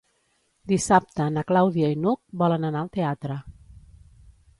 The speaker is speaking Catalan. Dissabte na Clàudia i n'Hug volen anar al teatre.